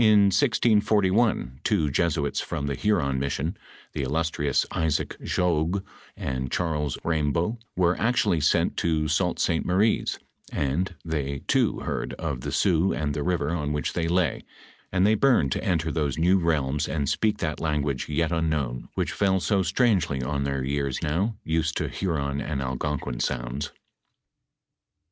5] 1, .'f li T ,T ••? zxu HUTOBT or THE DUOOVXBT ■I In 1641, two Jesuits from tbo Huron mission, the illustrious Isaac Jognes and Charles Raymbout were actually sent to Sault St. Mary's, and they too heard of tl^ Sioux and the river on which they lay, and they burned to enter tliose new realms and speak that language yet unknown, which fell so strangely on their ears now used to Huron and Algonquin sounds.